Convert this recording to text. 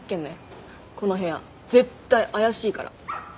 この部屋絶対怪しいから。